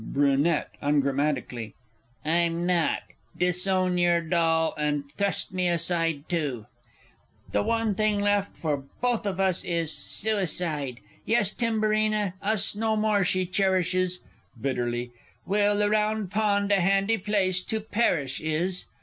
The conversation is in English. Br. (ungrammatically). I'm not! Disown your doll, and thrust me, too, aside! The one thing left for both of us is suicide! Yes, Timburina, us no more she cherishes (Bitterly.) Well, the Round Pond a handy place to perish is!